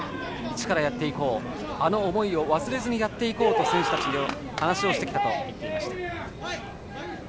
一からやっていこう、あの思いを忘れずにやっていこうと選手たちに話してきたと言っていました。